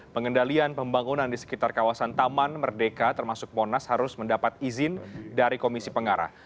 pengendalian pembangunan di sekitar kawasan taman merdeka termasuk monas harus mendapat izin dari komisi pengarah